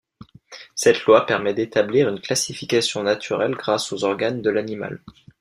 Cette loi permet d'établir une classification naturelle grâce aux organes de l'animal.